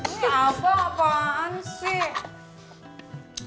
ini abang apaan sih